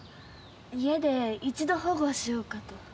家で一度保護しようかと。